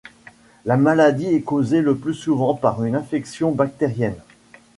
La maladie est causée le plus souvent par une infection bactérienne.